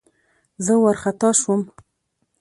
زه وارخطا شوم.